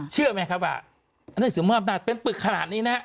เชื่อไหมครับว่าเรื่องสินความอำนาจเป็นปรึกขนาดนี้นะครับ